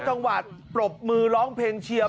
จังหวัดปรบมือร้องเพลงเชียร์